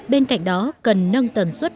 bên cạnh đó cần nâng tần suất